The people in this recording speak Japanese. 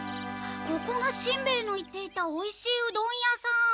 ここがしんベヱの言っていたおいしいうどん屋さん。